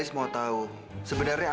itu sudah itu